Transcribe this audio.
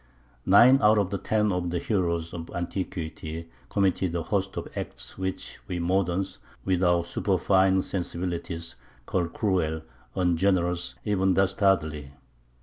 Nine out of ten of the heroes of antiquity committed a host of acts which we moderns, with our superfine sensibilities, call cruel, ungenerous, even dastardly.